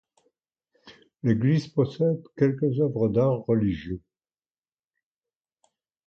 L'église possède quelques œuvres d'art religieux.